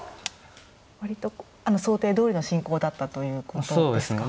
割と想定どおりの進行だったということですか。